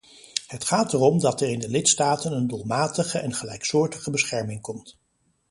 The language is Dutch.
Het gaat erom dat er in de lidstaten een doelmatige en gelijksoortige bescherming komt.